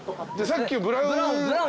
さっきのブラウン。